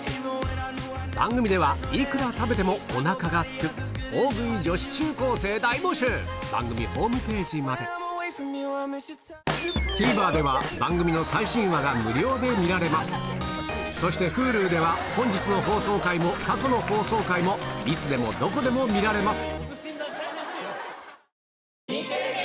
番組ではいくら食べてもおなかがすくＴＶｅｒでは番組の最新話が無料で見られますそしてＨｕｌｕでは本日の放送回も過去の放送回もいつでもどこでも見られます